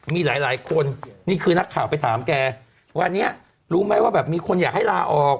มีหลายหลายคนนี่คือนักข่าวไปถามแกวันนี้รู้ไหมว่าแบบมีคนอยากให้ลาออก